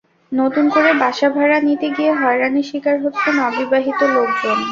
নতুন করে বাসা ভাড়া নিতে গিয়ে হয়রানির শিকার হচ্ছেন অবিবাহিত লোকজন।